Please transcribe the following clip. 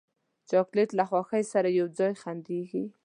چاکلېټ له خوښۍ سره یو ځای خندېږي.